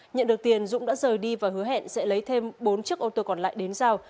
nhận được tiền dũng đã rời đi và hứa hẹn sẽ lấy thêm bốn chiếc ô tô còn lại đến giao